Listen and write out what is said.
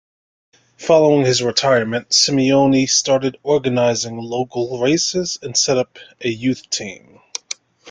Following his retirement, Simeoni started organising local races and set up a youth team.